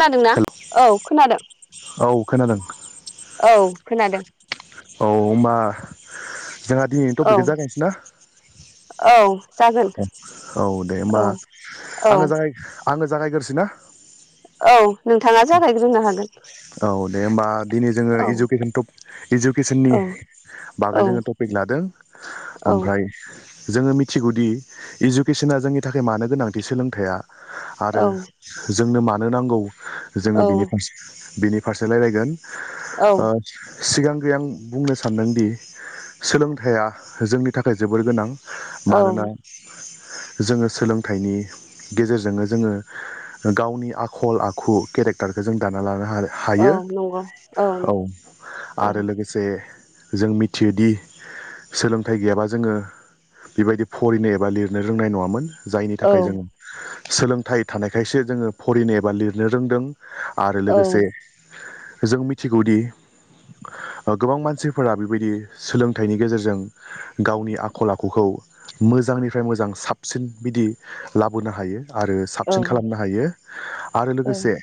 खोनादों ना औ खोनादों । औ खोनादों । औ खोनादों । औ होमबा जोंहा दिनैनि औ टपिकखौ जागायसै ना औ जागोन । औ दे औ होमबा औ आंङो जाय आङो जागायग्रोनिसै ना? औ नोंथाङा जागायग्रोनो हागोन। औ दे होमबा दिनै जोङो औ इडुकेसन टप इडुकेसननि औ बागै औ जोङो टपिक लादों ओमफ्राय जोङो मिथिगौदि इडुकेसना जोंनि थाखाय मानो गोनांथि सोलोंथाइया आरो जोंनो मानो नांगौ जोङो औ बिनि फारसे बिनि फारसे रायलायगोन औ सिगांग्रो आं बुंनो सानदोंदि सोलोंथाइया जोंनि थाखाय जोबोर गोनां। औ मानोना जोङो सोलोंथाइनि गेजेरजोंनो जोङो जों गावनि आखल आखु केरेक्टारखौ जों दाना लानो हादों हायो औ आरो लोगोसे जों मिथियोदि सोलोंथाइ गैयाबा जोङो बेबायदि फरायनो एबा लिरनो रोंनाय नङामोन। जायनि थाखाय जोङो सोलोंथाइ थानायखायसो जोङो फरायनो एबा लिरनो रोंदों। आरो लोगोसे जों मिथिगौदि गोबां मानसिफोरा बेबायदि सोलोंथाइनि गेजेरजों गावनि आखल आखुखौ मोजांनिफ्राय मोजां साबसिन बिदि लाबोनो हायो। आरो औ साबसिन खालामनो हायो आरो लोगोसे।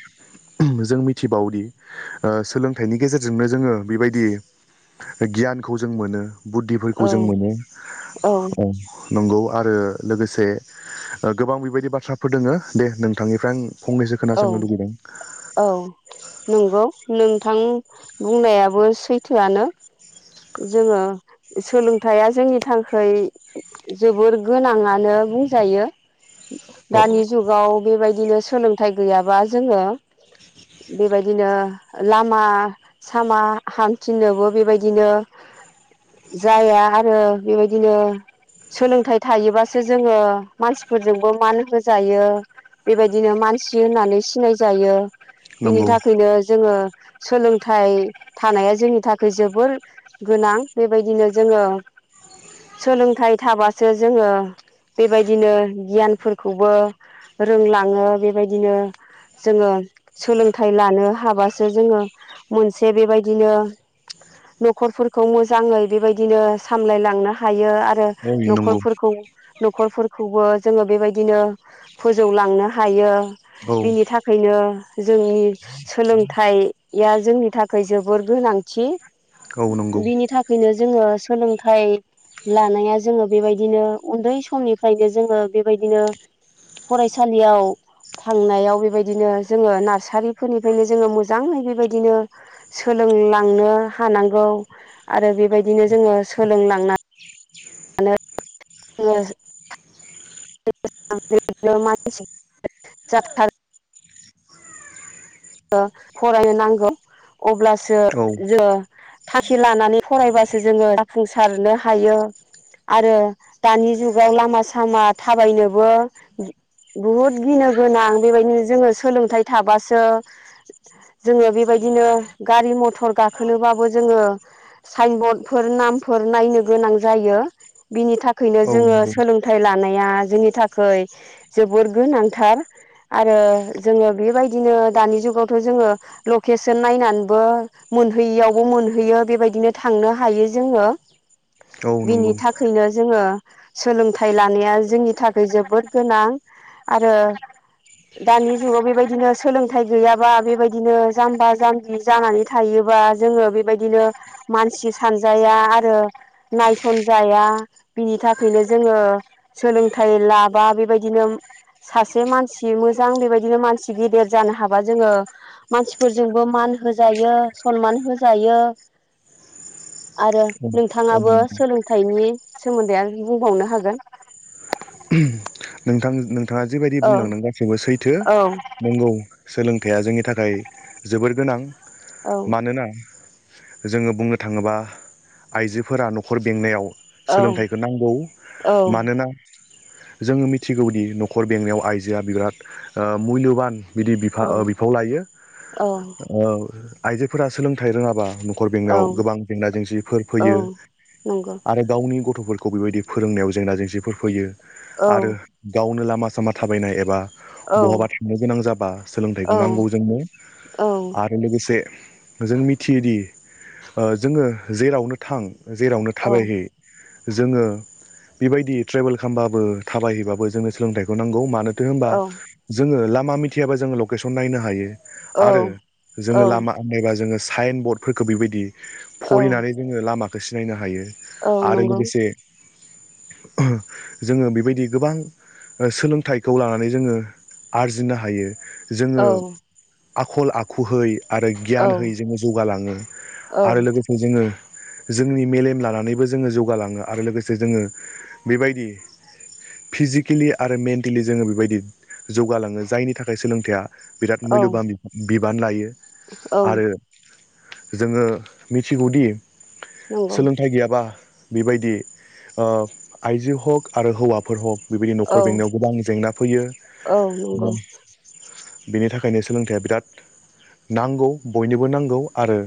जों मिथिबावोदि ओ सोलोंथाइनि गेजेरजोंनो जोङो बेबायदि। गियानखौ जों मोनो बुद्धिफोरखौ जों मोनो औ नंगौ आरो लोगोसे गोबां बेबायदि बाथ्राफोर दोङ दे नोंथांनिफ्राय आं फंनैसो औ खोनासंनो लुगैदों। औ नंगौ नोंथां बुंनायाबो सैथोआनो जोङो। सोलोंथायाइया जोंनि थाखाय जोबोर गोनाङानो बुंजायो। औ दानि जुगाव बेबायदिनो सोलोंथाइ गैयाबा जोङो बेबायदिनो लामा सामा हामथिननोबो बेबायदिनो जाया आरो बेबायदिनो। सोलोंथाइ थायोबासो जोङो मानसिफोरजोंबो मान होजायो। बेबायदिनो मानसि होननानै सिनायजायो बिनि नंगौ थाखायनो जोङो। सोलोंथाइ थानाया जोंनि थाखाय जोबोर गोनां बेबायदिनो जोङो सोलोंथाइ थाबासो जोङो बेबायदिनो गियानफोरखौबो रोंलाङो बेबायदिनो जोङो सोलोंथाइ लानो हाबासो जोङो मोनसे बेबायदिनो। न'खरफोरखौ मोजाङै बेबायदिनो सामलायलांनो हाय -यो आरो औ नंगौ नखरफोरखौ नखरफोरखौबो जोङो बेबायदिनो फोजौलांनो हायो औ बिनि थाखायनो जोंनि सोलोंथाइया जोंनि थाखाय जोबोर गोनांथि औ नंगौ बिनि थाखायनो जोङो सोलोंथाइ लानाया जोङो बेबायदिनो उन्दै समनिफ्रायनो जोङो बेबायदिनो फरायसालियाव थांनायाव बेबायदिनो जोङो नार्सारिफोरनिफ्रायनो जोङो मोजाङै बेबायदिनो सोलोंलांनो हानांगौ। आरो बेबायदिनो जोङो सोलोंलांना नै जोंङो [unintelligible] [unintelligible] फरायनो नांगौ अब्लासो औ जों [unintelligible] थांखि लानानै फरायबासो जोङो जाफुंसारनो हायो। आरो दानि जुगाव लामा सामा थाबायनोबो बुहुद गिनो गोनां बेबायदिनो जोङो सोलोंथाइ थाबासो [inaudible] जोङो बेबायदिनो गारि मथर गाखोनोबाबो जोङो साइनबर्डफोर नाम -फोर नायनो गोनां जायो बिनि थाखायनो औ जोङो नंगौ सोलोंथाइ लानाय -या जोंनि थाखाय जोबोर गोनांथार। आरो जोङो बेबायदिनो दानि जुगावथ' जोङो लकेसन नायनानैबो मोनहैयियावबो मोनहैयो बेबायदिनो थाङो थांनो हायो जोङो औ बिनि नंगौ थाखायनो जोङो सोलोंथाइ लानाया जोंनि थाखाय जोबोद गोनां आरो दानि जुगाव बेबायदिनो सोलों -थाइ गैयाबा बेबायदिनो जाम्बा जाम्बि जानानै थायोबा जोङो बेबायदिनो मान -मसि सानजाया आरो नायसन जाया बिनि थाखायनो जोङो [unintelligible] सोलोंथाइ लाबा बेबायदिनो सासे मानसि मोजां बेबायदिनो मानसि गेदेर जानो हाबा जोङो मानसिफोरजोंबो मान होजायो सनमान होजायो। [inaudible] आरो औ औ नोंथाङाबो नंगौ सोलोंथाइनि सोमोन्दैआरो बुंबावनो हागोन। उ [unintelligible] नोंथां नोंथाङा जिबायदि औ बुंलांदों गासिबो सैथो । औ नोंगौ सोलों -थाया जोंनि थाखाय जोबोर गोनां औ मानोना जोङो बुंनो थाङोबा आइजोफोरा न'खर बेंनायाव सोलोंथाइखौ नांगौ औ मानोना जोङो मि -थिगौदि न'खर बेंनायाव आइजोआ बिराद ओ मुल्यबान बिदि औ बिफा- ओ बिफाव लायो औ आइजोफोरा सोलोंथाइ रोङाबा न'खर औ बेंनायाव गोबां जेंना जेंसिफोर औ फैयो नंगौ आरो गावनि गथ'फोरखौ -खौ बेबायदि फोरोंनायाव जेंना जेंसिफोर फैयो औ आरो गावनो लामा सामा थाबायनाय एबा औ बहाबा थांनो गोनां जाबा सोलोंथाइखौ औ नांगौ जोंनो आरो लोगोसे जों मिथियोदि ओ जोङो जेरावनो थां जेरावनो औ थाबायहै जोङो बेबायदि ट्रेभेल खामबाबो थाबायहैबाबो जोंनो सोलोंथाइखौ नांगौ मानोथो होनबा औ जोङो लामा मिथियाबा जोङो लकेसन नायनो हायो। आरो औ जोङो लामा आन्दनायबा जोङो साइन बर्डफोरखौ बेबायदि फरिनानै जोङो लामाखौ सिनायनो हायो औ आरो नंगौ लोगोसे जोङो बेबायदि गोबां सोलोंथाइखौ लानानै जोङो आरजिनो हायो जोङो औ आखल आखुयै आरो औ गियानै जोङो जौगालाङो औ औ आरो लोगोसे जोङो जोंनि मेलेम लानानैबो जोङो जौगालाङो आरो लोगोसे जोङो बेबायदि फिजिकेलि आरो मेन्टेलि जोङो बेबायदि जौगालाङो जायनि थाखाय सोलोंथाइया बिराद मुलोबान बिबान लायो औ आरो जोङो मिथिगौदि नंगौ औ नंगौ औ सोलोंथाइ गैयाबा बेबायदि आइजो हग आरो हौवाफोर हग बेबायदि औ न'खर बेंनायाव गोबां जेंना फैयो औ बेनि थाखायनो सोलोंथाइया बिराद नांगौ बयनोबो नांगौ आरो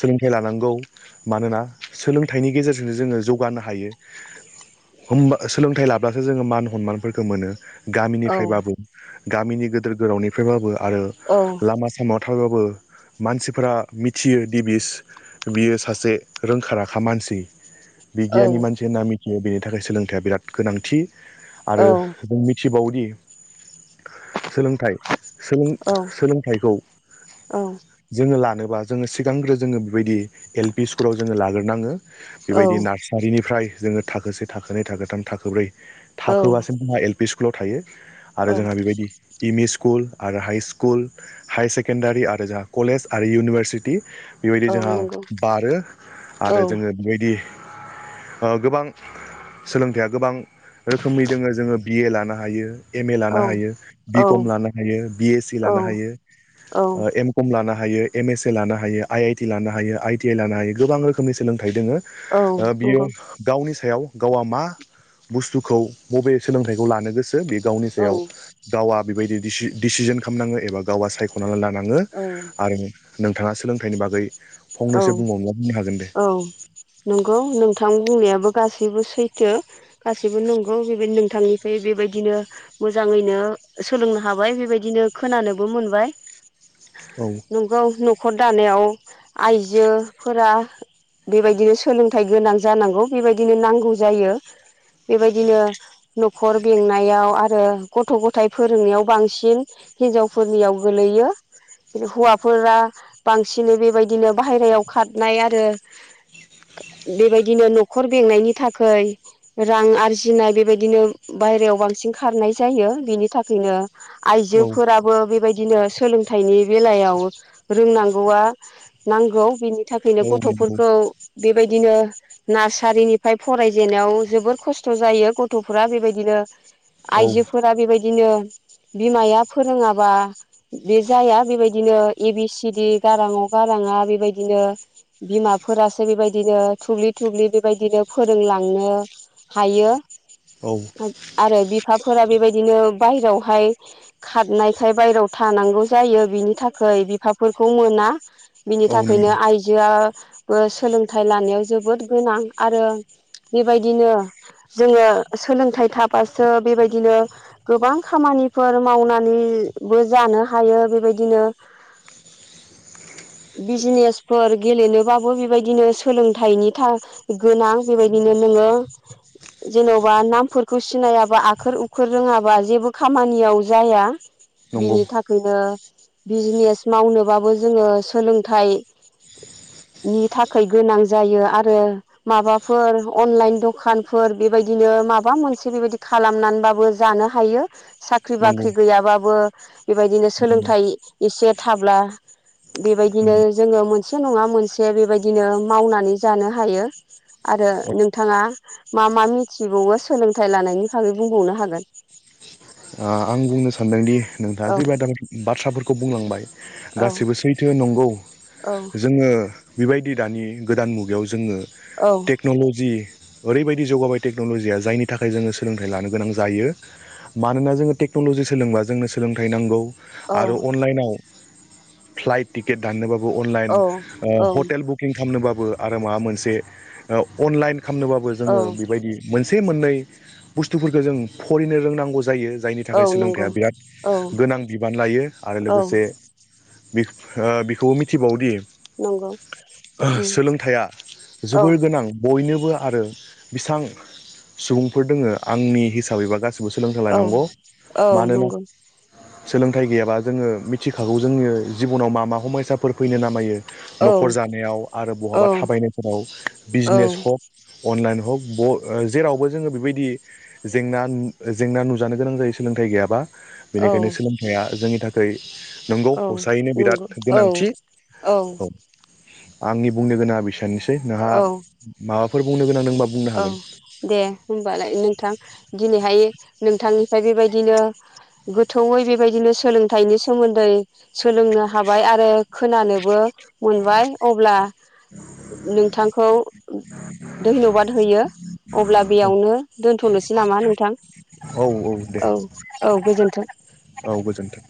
सोलोंथाइ लानांगौ मानोना सोलोंथाइनि गेजेरजोंनो जोङो जौगानो हायो आ [inaudible] होमबा सोलोंथाइ लाब्लासो जोङो मान हनमानफोरखौ मोनो गामिनिफ्राय बा बुं। गामिनि गदोर गोरावनिफ्रायबाबो आरो लामा सामायाव थाबबाबो मानसिफोरा मिथियो दि बिस बियो सासे रोंखा राखा मानसि बिगियाननि मानसि होनना मिथियो बेनि थाखाय सोलोंथाइया बिराद गोनांथि आरो जों मिथियो सिथिबावदि सोलोंथ सोलोंथाइखौ जोङो ला नोअल्बा जोंङो सिगांग्रो जोंङो बेबायदि एल पि स्कुलाव जोंङो लाग्रोनङो। बेबायदि नार्सारिनिफ्राय जोंङो थाखोसे थाखोनै थाखोथाम थाखोब्रै। होबासिम जोंहा एल पि स्कुलाव थायो आरो जोंङो बेबायदि इम इ स्कु कुल आरो हाइ स्कुल हाय सेकेण्डारि आरो जोंहा कलेज आरो इउनिभारसिटि बेबायदि जोंहा नंगौ बारो आरो जोङो बेबायदि गोबां सोलोंथाइया गोबां खोमै दोंङो जोंङो बिए लानो हायो। एम ए औ लानो हायो औ बि कम लानो हायो बि ए सि औ लानो हायो औ एम कम लानो हायो एम एस ए लानो हायो आइ आइ टि लानो हायो आइ टि आइ लानो हायो गोब रोखोमनि सोलोंथाइ दोंङो औ ओ बियो नंगौ गावनि सायाव गावआ मा बुस्थुखौ बबे सोलोंथाइखौ लानो गोसो बे गावनि औ सायाव गावा बेबायदि दिसि दिसिसन खामनांङो एबा गावा सायख'नानै लानांङो औ आरो नों थांङा सोलोंथाइनि बागै औ फंनैसो बुंबावनो बुंनो हागोन दे औ नंगौ नोंथां बुंनायाबो गासैबो सैथो गासैबो नंगौ बेबाय नोंथांनिफ्राय बेबायदिनो मोजाङैनो सोलोंनो हाबाय बेबायदिनो खोनानोबो मोनबाय औ नंगौ न'खर दानायाव आइजोफोरा बेबायदिनो सोलोंथाइ गोनां जानांगौ बेबायदिनो नांगौ जायो बेबायदिनो न'खर बेंनायाव आरो गथ' गथाय फोरोंनायाव बांसिन हिनजावफोरनियाव गोलैयो हौवाफोरा बांसिनै बेबायदि दिनो बाहेरायाव खारनाय आरो बेबायदिनो न'खर बेंनायनि थाखै रां आरजिनाय बेबायदिनो बाय याव बांसिन खनाय जायो बिनि थाखायनो औ आइजोफोराबो बेबाय दिनो सोलोंथाइनि बेलायाव रोंनांगौआ नांगौ बिनि थाखैयनो औ नंगौ गथ'फोरखौ बे बायदिनो नार्सारिनिफ्राय फरायजेननायाव जोबोर खस्थ' जायो गथ'फोरा बेबायदिनो औ आइजोफोरा बेबायदिनो बिमाया फोरोंङाबा बे जाया बेबायदिनो ए बि सि डि गारांअ गांरांआ बांङा बेबायदिनो बिमाफोरासो बेबायदिनो थुब्लि थुब्लि बेबायदिनो फोरोंलाङो नो हायो औ ओ आरो बिफा फोरा बेबायदिनो बायहेरायावहाय खारनायखाय बायेरायाव थानांगौ जायो बिनि थाखै बिफाफोरखौ मोना बिनि औ थाखैयनो आइजोआ ओ सोलोंथाइ लानायाव जोबोद गोनां आरो बेबायदिनो जोंङो सोलोंथाइ थाबासो बेबायदिनो गोबां खामानि निफोर मावनानैबो जानो हायो बेबायदिनो [inaudible] बिजनेसफोर गेलेनोबाबो बेबायदिनो सोलोंथाइनि था गोनां बेबायदिनो नोंङो जेन'बा नामफोरखौ सिनायाबा आखोर उखोर रोङाबा जेबो खामानियाव जाया। नंगौ बिनि थाखैयनो बिजनेस मावनोबाबो जोंङो सि सोलोंथाइ [inaudible] नि थाखैय गोनां जायो आरो माबाफोर अनलाइन दखानफोर बेबायदिनो माबा मोनसे बेबायदि खालामनानैबाबो जानो हायो साख्रि नंगौ बाख्रि गैयाबाबो बेबायदिनो नंगौ सोलोंथाइ एसे थाब्ला बेबायदिनो जोंङो मो मोनसे नङा मोनसे बेबायदिनो मावनानै जानो हायो आरो औ नोंथाङा मा मा मिथिबावो सोलोंथायाइ लानायनि बागै बुंबावनो हागोन आं बुंनो सानदोंदि नोंथाङा औ जेब दा बाथ्राफोरखौ बुंलांबाय औ गासिबो सैथो नंगौ औ जोंङो बेबायदि दानि गोदान मुगायाव जोङो औ टेक्न'ल'जि ओरैबायदि जौगाबाय टेक्न'ल'जिया जायनि थाखाय जोङो सोलोंथाइ लानो गोनां जायो मानोना जोङो टेक्न'लजि सोलोंबा जोंनो सोलोंथाइ नांगौ औ आरो अनलाइनाव फ्लाइट टिकेट दाननोबाबो अनलाइन औ ओ औ हटेल बुकिं खालामनोबाबो आरो माबा मोनसे अनलाइन खालामनोबाबो औ जोङो बेबायदि मोनसे मोननैववववशशनशननननन बुस्थुफोरखौ जों फरायिनो रोंनांगौ जायो जायनि औ थाखाय नंगौ सोलोंथाइया बिराद औ गोनां बिबान लायो आरो औ लोगोसे बिब-बेखौबो मिथिबावोदि नंगौ उम सोलोंथाइया औ जोबोर गोनां बयनो आरो बेसां सुबुंफोर दोङो आंनि हिसाबैबा गासिबो सो औ लोंथायलानांगौ औ मानोना नंगौ सोलोंथाइ गैयाबा जोङो मिथिखागौ जोंङो जिबनाव मा मा हमयसाफोर फैनो नामायो औ न'खर जानायाव आरो औ बहाबा थाबायनायफोराव औ नंगौ बिजनेस हक अनलाइन हक ब ओ जेरावबो जोङो बेबायदि जेंना जेंना नुजानो गोनां जायो सोलोंथाइ गैयाबा बेनिखायनो सोलोंथाइया जोंनि थाखाय नंगौ हसायैनो बिराद औ गोनांथि औ आंनि बुंनो गोनां बेसयानोसै नोंहा औ माबाफोर बुंनो गोनां दंबा बुंनो औ हागोन दे होमबालाय नोंथां दिनैहाय नोंथांनिफ्राय बेबायदिनो गोथौयै बेबायदिनो सोलोंथाइनि सोमोन्दै सोलोंनो हाबाय आरो खोनानोबो मोनबाय अब्ला नोंथांखौ धन्यबाद होयो अब्ला बेयावनो दोनथ'नोसै नामा नोंथां औ दे औ औ गोजोनथों औ गोजोन्थों